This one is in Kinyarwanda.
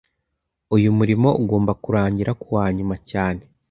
Uyu murimo ugomba kurangira kuwa nyuma cyane